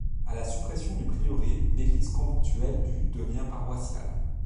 À la suppression du prieuré, l'église conventuelle du devient paroissiale.